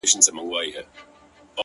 • د يوه يې سل لكۍ وې يو يې سر وو,